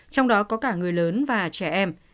trong đó có cả người lớn và trẻ em